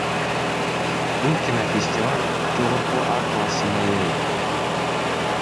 Бул кинофестиваль жогорку А классына ээ.